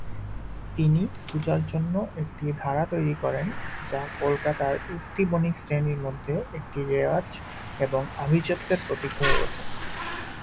তিনি পূজার জন্য একটি ধারা তৈরি করেন যা কলকাতার উঠতি বণিক শ্রেণির মধ্যে একটি রেওয়াজ এবং আভিজাত্যের প্রতীক হয়ে ওঠে।